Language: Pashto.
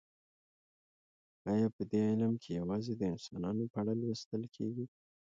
ایا په دې علم کې یوازې د انسانانو په اړه لوستل کیږي